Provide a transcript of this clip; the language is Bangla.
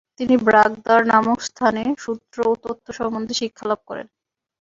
তিনি ব্রাগ-দ্বার নামক স্থানে সূত্র ও তন্ত্র সম্বন্ধে শিক্ষালাভ করেন।